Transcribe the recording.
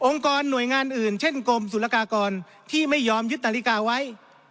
กรหน่วยงานอื่นเช่นกรมศุลกากรที่ไม่ยอมยึดนาฬิกาไว้